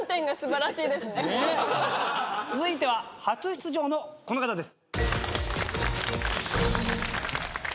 続いては初出場のこの方です。